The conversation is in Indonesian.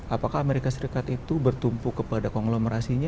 apakah amerika serikat itu bertumpu kepada konglomerasinya